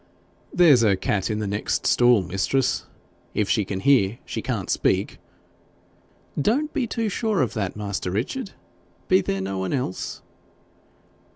'There's a cat in the next stall, mistress: if she can hear, she can't speak.' 'Don't be too sure of that, master Richard. Be there no one else?'